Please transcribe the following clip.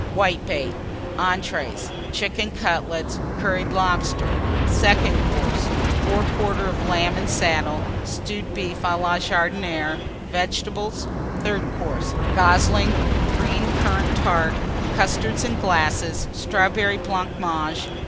Whitebait. ENTREES. Chicken Cutlets. Curried Lobster. SECOND COURSE. Fore quarter of Lamb and Salad. Stewed Beef à la Jardinière. Vegetables. THIRD COURSE. Goslings. Green Currant Tart. Custards, in glasses. Strawberry Blancmange.